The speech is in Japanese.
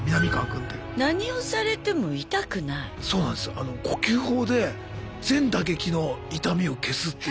あの呼吸法で全打撃の痛みを消すっていう。